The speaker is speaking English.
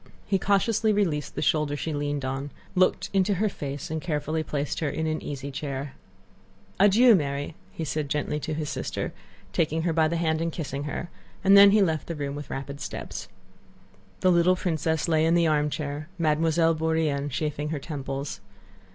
He cautiously released the shoulder she leaned on, looked into her face, and carefully placed her in an easy chair. "Adieu, Mary," said he gently to his sister, taking her by the hand and kissing her, and then he left the room with rapid steps. The little princess lay in the armchair, Mademoiselle Bourienne chafing her temples.